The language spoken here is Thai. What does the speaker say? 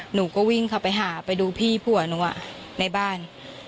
หนูก็วิ่งเข้าไปหาไปดูพี่ผัวหนูในบ้าน